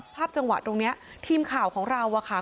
ภาพจังหวะตรงนี้ทีมข่าวของเราอะค่ะ